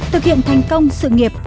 thực hiện thành công sự nghiệp